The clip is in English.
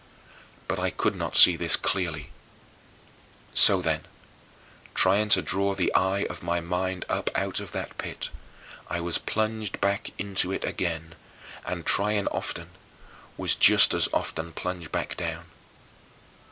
But I could not see this clearly. So then, trying to draw the eye of my mind up out of that pit, I was plunged back into it again, and trying often was just as often plunged back down.